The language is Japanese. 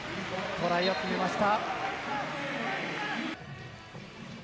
トライを決めました。